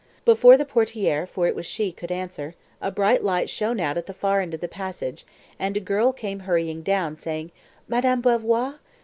Before the portière (for it was she) could answer, a bright light shone out at the far end of the passage, and a girl came hurrying down, saying, "Madame Belvoir?